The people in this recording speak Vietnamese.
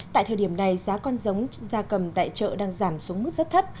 tại thời điểm này giá con giống da cầm tại chợ đang giảm xuống mức rất thấp